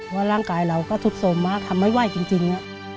ว่าร่างกายเราก็สุดสมมากทำไม่ไหวจริง